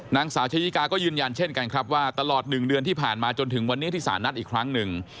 นางสาวชายิกาก็ยืนยันเช่นกันครับว่าตลอด๑เดือนที่ผ่านมาจนถึงวันนี้ที่สารนัดอีกครั้งหนึ่ง